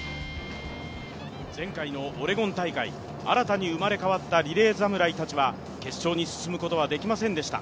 前回のオレゴン大会、新たに生まれ変わったリレー侍たちは決勝に進むことはできませんでした。